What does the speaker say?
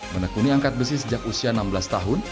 menekuni angkat besi sejak usia enam belas tahun